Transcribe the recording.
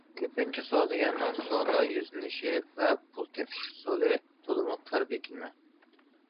كۆپىنچە سودىگەرنىڭ سودا يۈزلىنىشى ۋە پۇل تېپىش ئۇسۇلى تولىمۇ تار، بېكىنمە.